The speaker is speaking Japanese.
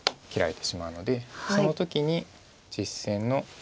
切られてしまうのでその時に実戦の。